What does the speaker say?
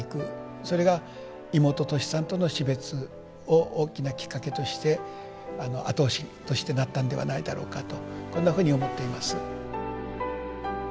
それが妹トシさんとの死別を大きなきっかけとして後押しとしてなったんではないだろうかとこんなふうに思っています。